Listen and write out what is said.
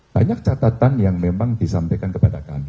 banyak catatan yang memang disampaikan kepada kami